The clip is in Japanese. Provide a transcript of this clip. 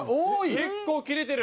結構切れてる。